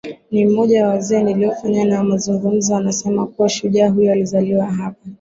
ni mmoja wa wazee niliofanya nao mazungumzo anasema kuwa shujaa huyo alizaliwa hapa